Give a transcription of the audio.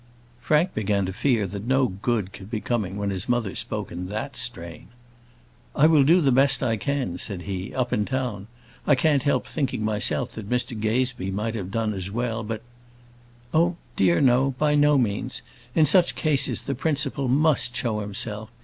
Frank began to fear that no good could be coming when his mother spoke in that strain. "I will do the best I can," said he, "up in town. I can't help thinking myself that Mr Gazebee might have done as well, but " "Oh, dear no; by no means. In such cases the principal must show himself.